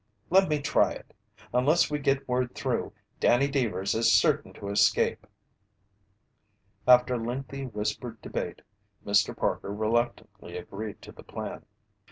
"Let me try it. Unless we get word through, Danny Deevers is certain to escape." After lengthy whispered debate, Mr. Parker reluctantly agreed to the plan.